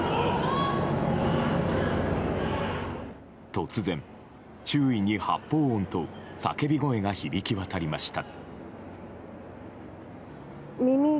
突然、周囲に発砲音と叫び声が響き渡りました。